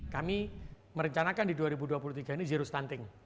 kami merencanakan di dua ribu dua puluh tiga ini zero stunting